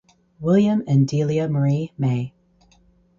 William and Delia Marie May.